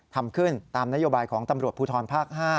ทำขึ้นตามนโยบายของตำรวจภูทรภาค๕